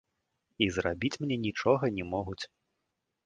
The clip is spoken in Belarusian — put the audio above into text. І зрабіць мне нічога не могуць.